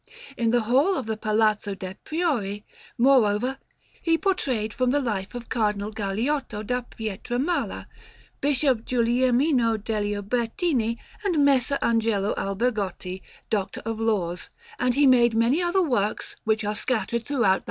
In the hall of the Palazzo de' Priori, moreover, he portrayed from the life Cardinal Galeotto da Pietramala, Bishop Guglielmino degli Ubertini, and Messer Angelo Albergotti, Doctor of Laws; and he made many other works, which are scattered throughout that city.